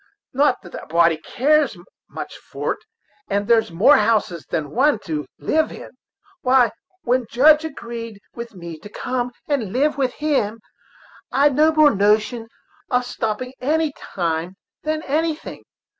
Not that a body cares much for't, as there's more houses than one to live in. Why, when the Judge agreed with me to come and live with him, I'd no more notion of stopping any time than anything.